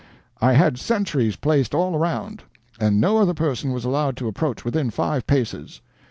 "I had sentries placed all around, and no other person was allowed to approach within five paces.